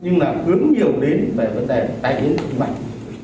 nhưng là hướng nhiều đến về vấn đề đại biến tim mạch